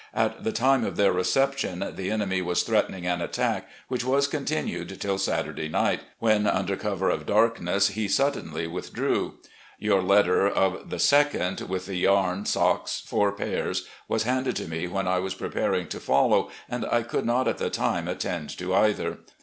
At the time of their reception the enemy was threatening an attack, which was continued till Saturday night, when under cover of darkness he suddenly withdrew. Your letter 50 RECOLLECTIONS OP GENERAL LEE of the 2d, with the yam socks, four pairs, was handed to me when I was preparing to follow, and I cotdd not at the time attend to either.